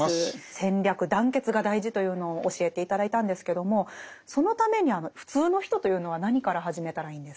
戦略団結が大事というのを教えて頂いたんですけどもそのために普通の人というのは何から始めたらいいんですか？